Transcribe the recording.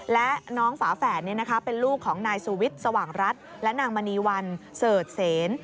และน้องฝาแฝดเป็นลูกของนายสุวิทย์สว่างรัฐและนางมณีวันเสิร์ชเสน